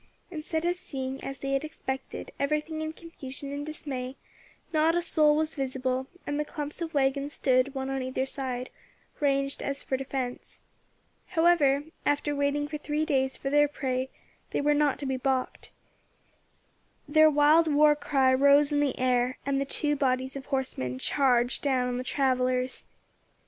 Instead of seeing, as they had expected, everything in confusion and dismay, not a soul was visible, and the clumps of waggons stood, one on either side, ranged as for defence. However, after waiting for three days for their prey, they were not to be balked. Their wild war cry rose in the air, and the two bodies of horsemen charged down on the travellers.